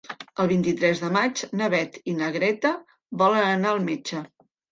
El vint-i-tres de maig na Beth i na Greta volen anar al metge.